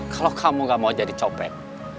kalau kamu gak mau jadi copet